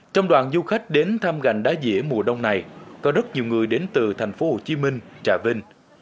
trong đoàn du khách đến thăm gành đá dĩa mùa đông này có rất nhiều người đến từ thành phố hồ chí minh trà vinh